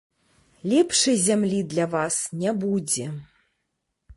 Лепшай зямлі для вас не будзе.